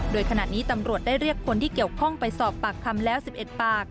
โดยขณะนี้ตำรวจได้เรียกคนที่เกี่ยวข้องไปสอบปากคำแล้ว๑๑ปาก